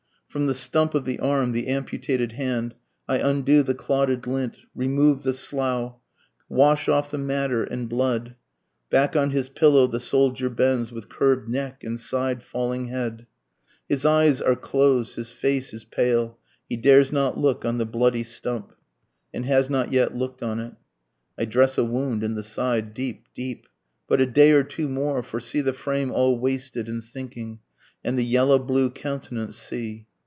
From the stump of the arm, the amputated hand, I undo the clotted lint, remove the slough, wash off the matter and blood, Back on his pillow the soldier bends with curv'd neck and side falling head, His eyes are closed, his face is pale, he dares not look on the bloody stump, And has not yet look'd on it. I dress a wound in the side, deep, deep, But a day or two more, for see the frame all wasted and sinking, And the yellow blue countenance see.